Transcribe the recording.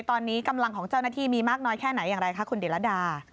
ตอนนี้กำลังของเจ้าหน้าที่มีมากน้อยแค่ไหนอย่างไรคะคุณดิรดา